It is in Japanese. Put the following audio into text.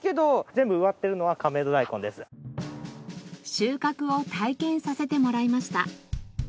収穫を体験させてもらいました。